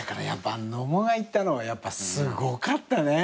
野茂が行ったのはやっぱすごかったね。